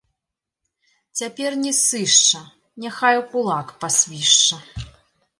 Цяпер не сышча, няхай у кулак пасвішча.